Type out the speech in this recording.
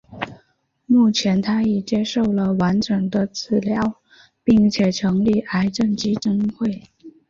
目前她已接受了完整的治疗并且成立癌症基金会。